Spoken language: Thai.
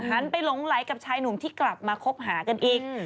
หันไปหลงไหลกับชายหนุ่มที่กลับมาคบหากันอีก